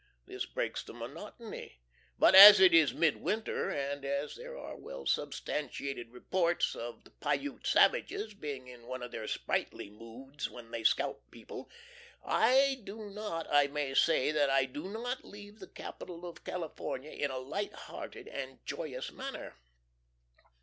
This breaks the monotony; but as it is midwinter and as there are well substantiated reports of the Piute savages being in one of their sprightly moods when they scalp people, I do not I may say that I do not leave the Capital of California in a light hearted and joyous manner.